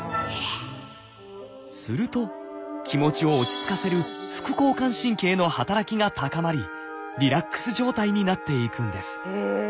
すると気持ちを落ち着かせる副交感神経の働きが高まりリラックス状態になっていくんです。